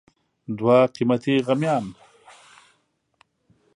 دوه قیمتي غمیان